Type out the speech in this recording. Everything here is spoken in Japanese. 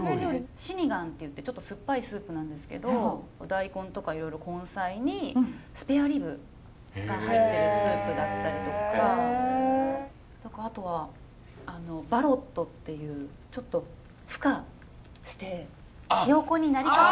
シニガンっていってちょっと酸っぱいスープなんですけどお大根とかいろいろ根菜にスペアリブが入ってるスープだったりとか。とかあとはバロットっていうふ化してひよこになりかけの卵。